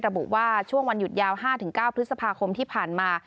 ระบุว่าช่วงวันหยุดยาว๕๙พฤษภาคมที่ผ่านมา